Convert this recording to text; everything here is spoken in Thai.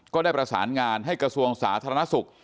ก็ได้ประสานงานให้กระทรวงสาธารณสุข